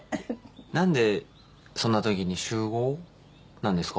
なんでそんなときに集合なんですか？